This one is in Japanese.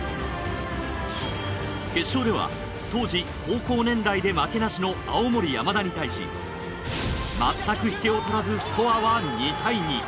決勝では当時高校年代で負けなしの青森山田に対しまったく引けを取らずスコアは２対２。